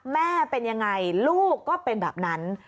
แม่เป็นยังไงลูกก็เป็นแบบนั้น